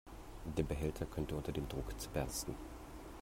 Der Behälter könnte unter dem Druck zerbersten.